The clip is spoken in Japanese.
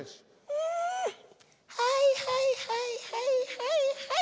うんはいはいはいはいはいはい。